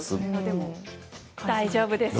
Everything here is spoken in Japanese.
大丈夫です。